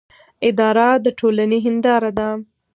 اداره د ټولنې هنداره ده